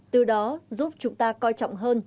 từ đó giúp chúng ta coi trọng hơn